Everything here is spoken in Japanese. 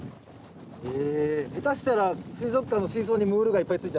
下手したら水族館の水槽にムール貝いっぱいついちゃう。